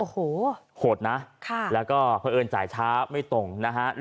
โอ้โหโหดนะแล้วก็เพราะเอิญจ่ายช้าไม่ตรงนะฮะ